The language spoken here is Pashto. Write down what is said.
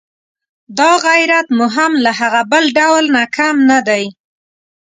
دا غیرت مو هم له هغه بل ډول نه کم نه دی.